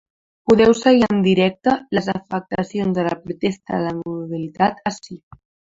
Podeu seguir en directe les afectacions de la protesta a la mobilitat ací.